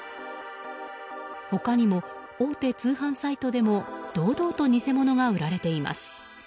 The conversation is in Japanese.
他にも大手通販サイトでも堂々と偽物が売られています。